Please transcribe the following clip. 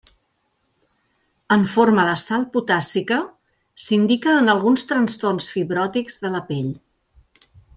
En forma de sal potàssica, s'indica en alguns trastorns fibròtics de la pell.